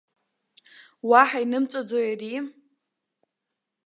Уаҳа инымҵәаӡои ари?!